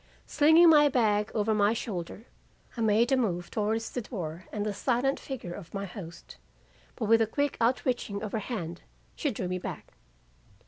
Slinging my bag over my shoulder, I made a move towards the door and the silent figure of my host. But with a quick outreaching of her hand, she drew me back.